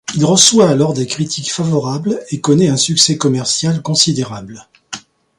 Il reçoit alors des critiques favorables et connaît un succès commercial considérable.